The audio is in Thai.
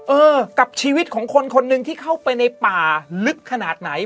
เออกับชีวิตของคนคนหนึ่งที่เข้าไปในป่าลึกขนาดไหน